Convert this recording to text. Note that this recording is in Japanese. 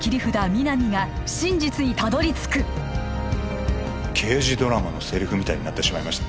皆実が真実にたどり着く刑事ドラマのセリフみたいになってしまいましたね